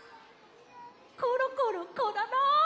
コロコロコロロ！